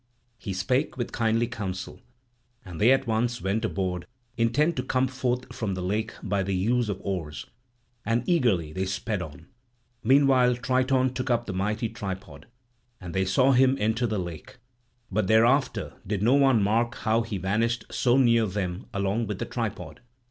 He spake with kindly counsel; and they at once went aboard, intent to come forth from the lake by the use of oars. And eagerly they sped on; meanwhile Triton took up the mighty tripod, and they saw him enter the lake; but thereafter did no one mark how he vanished so near them along with the tripod.